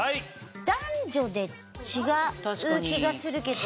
男女で違う気がするけど。